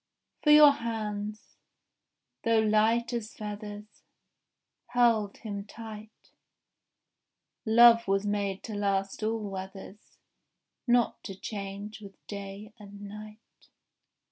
For your hands, though light as feathers, Held him tight: Love was made to last all weathers, Not to change with day and night.